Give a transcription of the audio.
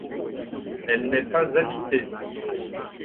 Elle n'est pas habitée.